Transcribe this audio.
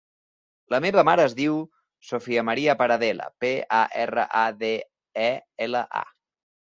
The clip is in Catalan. La meva mare es diu Sofia maria Paradela: pe, a, erra, a, de, e, ela, a.